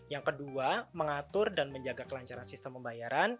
yang kedua mengatur dan menjaga kelancaran sistem pembayaran